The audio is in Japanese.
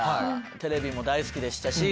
テレビも大好きでしたし。